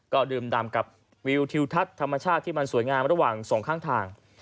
ก็ดื่มดำกับวิวทิวทัศน์ธรรมชาติที่มันสวยงามระหว่างสองข้างทาง